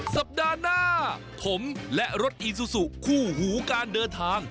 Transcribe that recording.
สัปดาห์หน้าผมและรถอีซูซูคู่หูการเดินทาง